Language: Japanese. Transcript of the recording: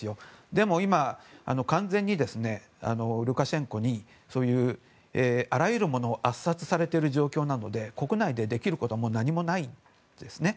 でも今、完全にルカシェンコにそういうあらゆるものを圧殺されている状況なので国内でできることはもう何もないんですね。